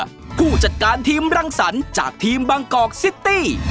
ท่าเรือผู้จัดการทีมรังสรรจากทีมบางกอกซิตตี้